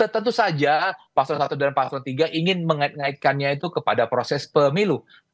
tentu saja pasal satu dan pasal tiga ingin mengait ngaitkannya itu kepada proses pemilu